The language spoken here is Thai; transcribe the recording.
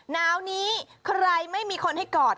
หนาวนี้ใครไม่มีคนให้กอด